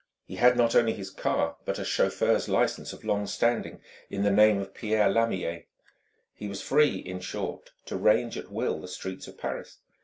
He had not only his car but a chauffeur's license of long standing in the name of Pierre Lamier was free, in short, to range at will the streets of Paris.